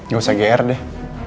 gak usah gr deh